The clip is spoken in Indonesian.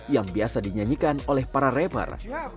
yang biasa dinyanyikan oleh para rapper